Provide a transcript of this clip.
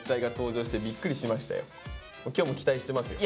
今日も期待してますよ。